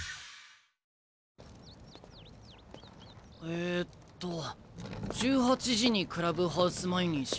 えっと１８時にクラブハウス前に集合。